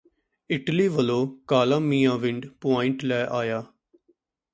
Italy ਵੱਲੋਂ Kala Mianwind point ਲੈ ਆਇਆ